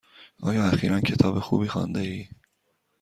آیا اخیرا کتاب خوبی خوانده ای؟